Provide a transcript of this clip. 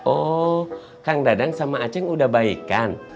oh kang dadang sama a ceng udah baik kan